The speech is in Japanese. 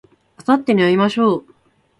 あさってに会いましょう